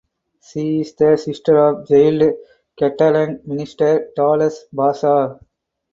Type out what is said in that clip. She is the sister of jailed Catalan minister Dolors Bassa.